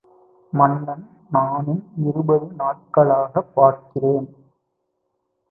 மன்னன் நானும் இருபது நாட்களாகப் பார்க்கிறேன்.